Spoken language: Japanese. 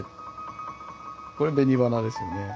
これ紅花ですよね。